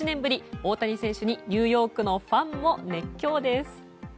大谷選手に、ニューヨークのファンも熱狂です。